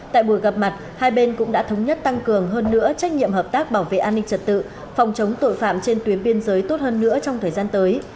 tại buổi gặp mặt hai bên cũng đã thống nhất tăng cường hơn nữa trách nhiệm hợp tác bảo vệ an ninh trật tự phòng chống tội phạm trên tuyến biên giới tốt hơn nữa trong thời gian tới